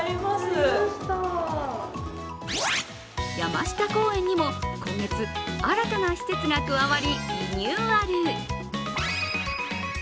山下公園にも今月、新たな施設が加わりリニューアル。